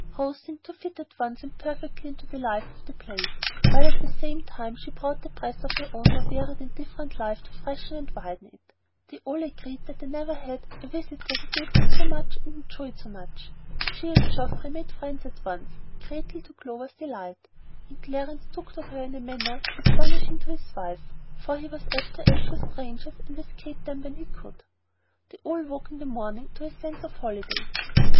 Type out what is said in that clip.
Rose seemed to fit at once and perfectly into the life of the place, while at the same time she brought the breath of her own more varied and different life to freshen and widen it. They all agreed that they had never had a visitor who gave so much and enjoyed so much. She and Geoffrey made friends at once, greatly to Clover's delight, and Clarence took to her in a manner astonishing to his wife, for he was apt to eschew strangers, and escape them when he could. They all woke in the morning to a sense of holiday.